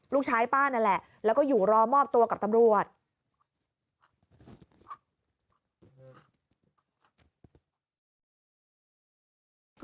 ป้านั่นแหละแล้วก็อยู่รอมอบตัวกับตำรวจ